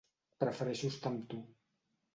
Prefereixo estar amb tu.